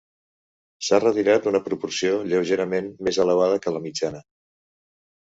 S'ha retirat una proporció lleugerament més elevada que la mitjana.